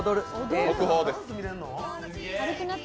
速報です。